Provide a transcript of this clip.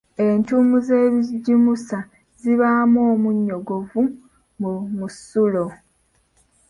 Entuumu z’ebijimusa zibaamu omunny oguva mu musulo.